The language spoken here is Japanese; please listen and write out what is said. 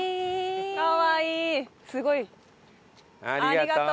かわいい。